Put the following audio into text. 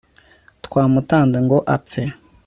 twamutanze ngo apfe